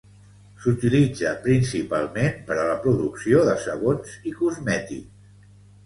S'utilitza principalment per a la producció de sabons i cosmètics.